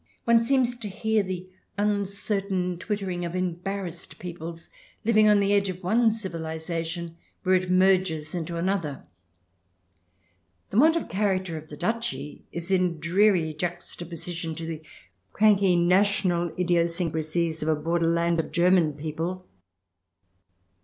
One seems to hear the uncertain twittering of embarrassed peoples, living on the edge of one civilization where it merges into another. The want of character of the duchy is in dreary juxtaposition to the cranky national idiosyncrasies of a borderland of German people.